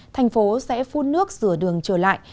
thành phố sẽ phun nước sửa đường trở lại